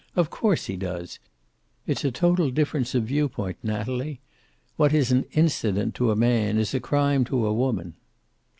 Of course he does. It's a total difference of view point, Natalie. What is an incident to a man is a crime to a woman."